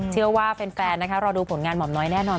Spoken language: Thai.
เชื่อว่าแฟนนะคะรอดูผลงานหม่อมน้อยแน่นอน